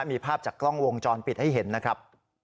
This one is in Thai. มีภาพจากกล้องวงจรปิดให้เห็นนะครับ